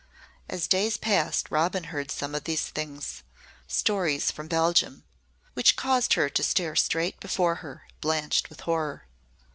As days passed Robin heard some of these things stories from Belgium which caused her to stare straight before her, blanched with horror.